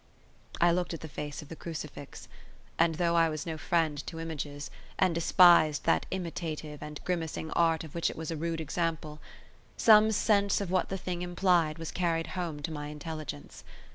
I looked at the face of the crucifix, and, though I was no friend to images, and despised that imitative and grimacing art of which it was a rude example, some sense of what the thing implied was carried home to my intelligence.